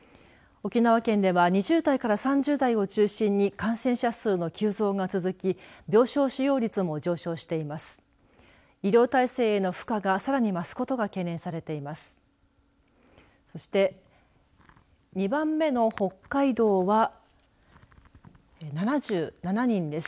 沖縄県では２０代から３０代を中心に感染者数の急増が続き病床使用率も上昇しています。